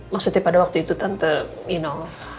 maksudnya pada waktu itu tante you know